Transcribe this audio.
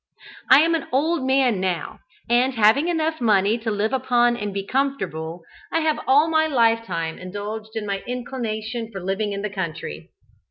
I am an old man now, and having enough money to live upon and be comfortable, I have all my lifetime indulged my inclination for living in the country.